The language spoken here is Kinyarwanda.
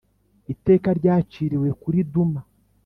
Iteka ryaciriwe kuri Duma.